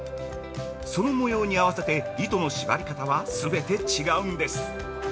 その模様に合わせて糸の縛り方は全て違うんです。